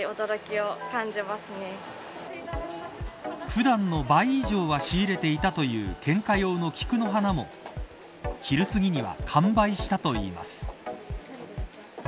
普段の倍以上は仕入れていたという献花用の菊の花も昼すぎには完売したといいます。